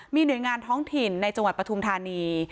มีหน่วยงานท้องถิ่นในจังหวัดปฐุมธานี